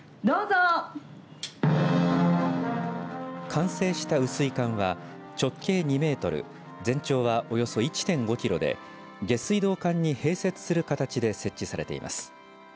完成した雨水管は直径２メートル全長はｍおよそ１．５キロで下水道管に併設する形で設置されています。